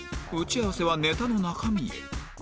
打ち合わせはネタの中身へ